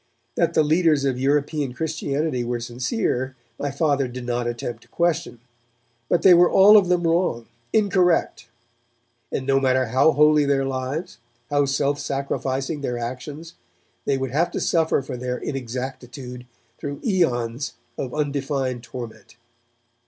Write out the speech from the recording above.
That the leaders of European Christianity were sincere, my Father did not attempt to question. But they were all of them wrong, incorrect; and no matter how holy their lives, how self sacrificing their actions, they would have to suffer for their inexactitude through aeons of undefined torment.